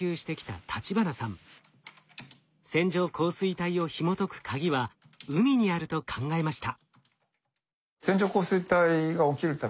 線状降水帯をひもとくカギは海にあると考えました。